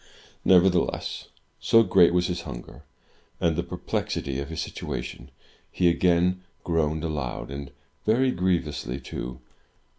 Nevertheless, so great was his hunger, and the perplexity of his situation, he again groaned aloud, and very grievously too.